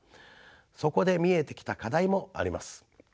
そこで見えてきた課題もあります。